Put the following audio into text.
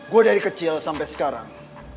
gue dari kecil sampai sekarang